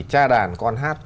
cha đàn con hát